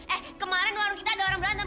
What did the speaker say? eh kemarin warung kita ada orang belanda